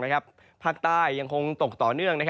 ฝนฝนใต้ก็ยังคงตกต่อเนื่อง